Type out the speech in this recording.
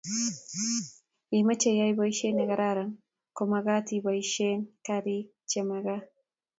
ye imeche iyai boisie ne kararan ko mekat iboisien karik che mekat